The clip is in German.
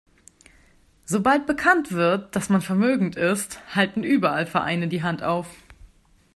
Sobald bekannt wird, dass man vermögend ist, halten überall Vereine die Hand auf.